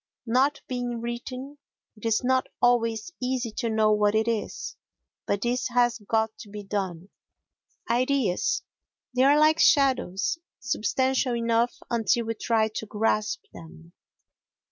Not being written, it is not always easy to know what it is, but this has got to be done. Ideas They are like shadows—substantial enough until we try to grasp them.